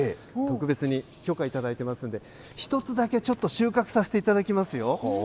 特別に許可いただいてますんで、一つだけちょっと、収穫させていただきますよ。